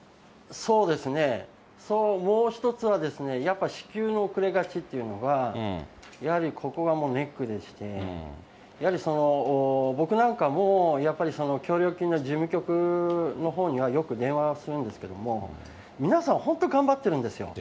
そうですね、もう一つは、やっぱ支給の遅れがちっていうのが、ネックでして、やはり僕なんかも、協力金の事務局のほうには、よく電話するんですけれども、皆さん本当に頑張ってるんですよ。